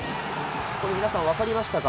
これ、皆さん分かりましたか？